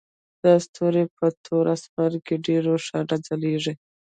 دا ستوري په تور اسمان کې ډیر روښانه ځلیږي